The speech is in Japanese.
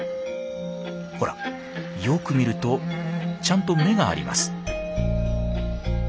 ほらよく見るとちゃんと目があります。